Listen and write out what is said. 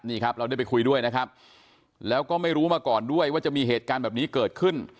นี่ครับเราได้ไปคุยด้วยนะครับแล้วก็ไม่รู้มาก่อนด้วยว่าจะมีเหตุการณ์แบบนี้เกิดขึ้น